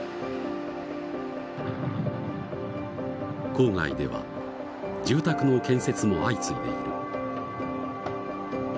郊外では住宅の建設も相次いでいる。